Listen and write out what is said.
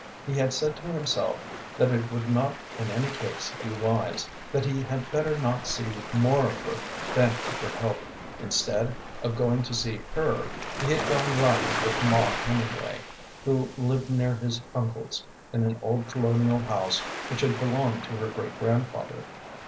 He had said to himself that it would not in any case be wise, that he had better not see more of her than he could help. Instead of going to see her, he had gone riding with Maud Hemingway, who lived near his uncle's, in an old Colonial house which had belonged to her great grandfather.